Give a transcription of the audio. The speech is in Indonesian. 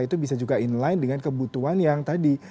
itu bisa juga inline dengan kebutuhan yang tadi